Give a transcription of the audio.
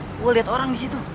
gue liat orang di situ